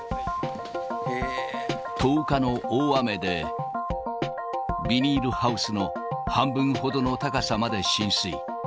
１０日の大雨で、ビニールハウスの半分ほどの高さまで浸水。